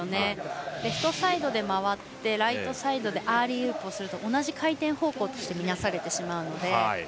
レフトサイドで回ってライトサイドでアーリーウープをすると同じ回転方向としてみなされるので。